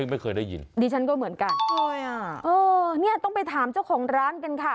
ไม่เคยได้ยินเดี๋ยวฉันก็เหมือนกันนี่ต้องไปถามเจ้าของร้านกันค่ะ